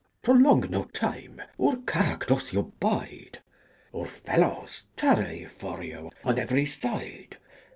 Prolonge no tyme, our Carake doth you byde, Our felawes tary for you on every syde.